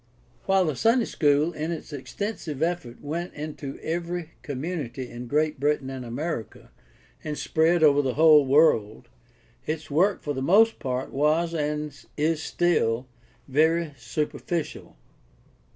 — While the Sunday school in its extensive effort went into every com munity in Great Britain and America and spread over the whole world, its work for the most part was, and is still, very superficial.